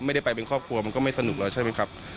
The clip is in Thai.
ไม่ได้ไปเป็นครอบครัวมันก็ไม่สนุกแล้วใช่ไหมครับ